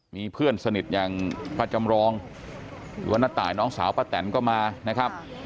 มีเพื่อนสนิทอย่างป้าจำรองหรือว่าน้าตายน้องสาวป้าแตนก็มานะครับ